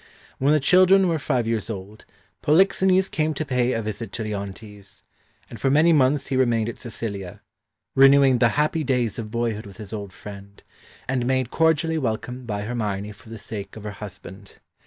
When the children were five years old, Polixenes came to pay a visit to Leontes, and for many months he remained in Sicilia, renewing the happy days of boyhood with his old friend, and made cordially welcome by Hermione for the sake of her husband.